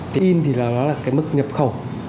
cái in thì nó là cái mức nhập khẩu